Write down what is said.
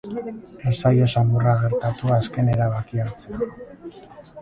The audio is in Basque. Ez zaio samurra gertatu azken erabakia hartzea.